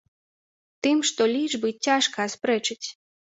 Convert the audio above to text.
Тым, што лічбы цяжка аспрэчыць.